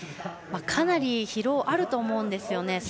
かなり疲労あると思うんですよね。